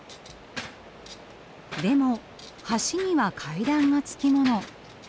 でも橋には階段がつきもの。